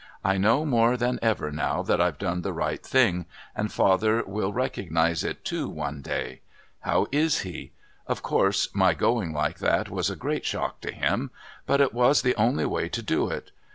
I know more than ever now that I've done the right thing, and father will recognise it, too, one day. How is he? Of course my going like that was a great shock to him, but it was the only way to do it.